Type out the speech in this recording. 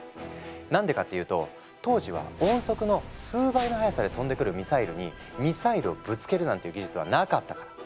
なんでかっていうと当時は音速の数倍の速さで飛んでくるミサイルにミサイルをぶつけるなんていう技術はなかったから。